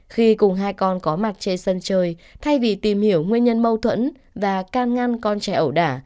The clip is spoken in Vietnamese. khi cùng hai con có mặt trên sân chơi thay vì tìm hiểu nguyên nhân mâu thuẫn và can ngăn con trẻ ẩu đả